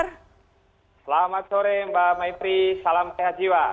selamat sore mbak maifri salam sehat jiwa